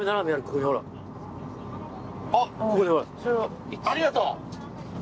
ありがとう。